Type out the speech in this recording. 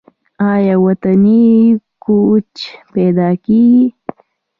آیا وطني کوچ پیدا کیږي؟